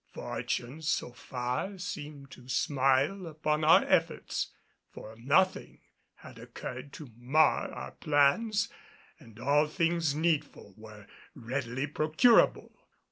Fortune so far seemed to smile upon our efforts, for nothing had occurred to mar our plans and all things needful were readily procurable.